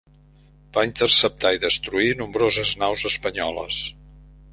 Va interceptar i destruir nombroses naus espanyoles.